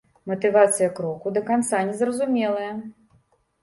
Матывацыя кроку да канца незразумелая.